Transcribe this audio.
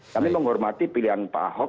kami menghormati pilihan pak ahok